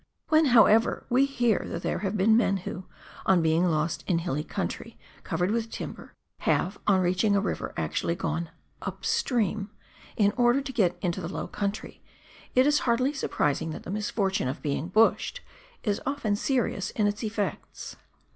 When, how ever, we hear that there have been men who, on being lost ia hilly country covered with timber, have on reaching a river actually gone tip stream in order to get into the low country, it is hardly surprising that the misfortune of being " bushed " is often serious in its effects.